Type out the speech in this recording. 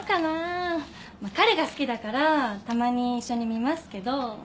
彼が好きだからたまに一緒に見ますけど。